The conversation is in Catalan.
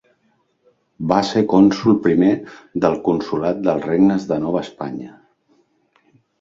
Va ser cònsol primer del consolat dels Regnes de Nova Espanya.